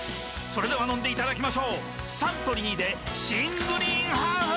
それでは飲んでいただきましょうサントリーで新「グリーンハーフ」！